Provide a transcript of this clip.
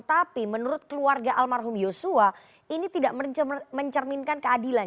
tapi menurut keluarga almarhum yosua ini tidak mencerminkan keadilan